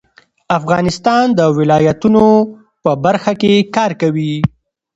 افغانستان د ولایتونو په برخه کې کار کوي.